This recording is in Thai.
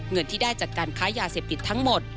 เงินที่ได้จากการค้ายาเสพติดทั้งหมด